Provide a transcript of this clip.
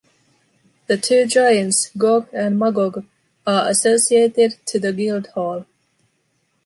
The two giants, Gog and Magog, are associated to the “Guildhall”.